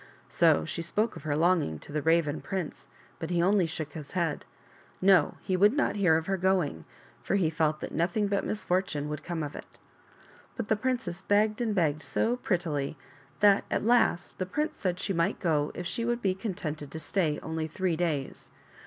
So she spoke of her longing to the Raven prince, but he only shook his head. No ; he would not hear of her going, for he felt that nothing but misfortune would come of it. But the princess begged and begged so prettily that at last the prince said she might go if she would be contented to stay only three days.